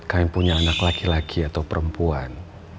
kami punya anak laki laki atau perempuan